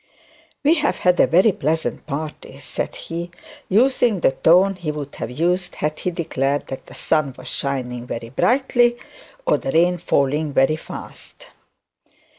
'We have had a very pleasant party,' said he, using the tone he would have used had he declared that the sun was shining very brightly, or the rain was falling very fast.